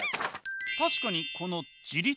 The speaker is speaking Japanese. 確かにこの「自律」